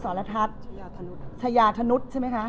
สรทัศน์ชญาธนุษย์